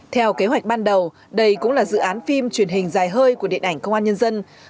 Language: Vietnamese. theo kế hoạch ban đầu đây cũng là dự án phim truyền hình dài hơi của điện ảnh công an nhân dân